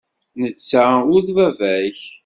Netta ur d baba-k.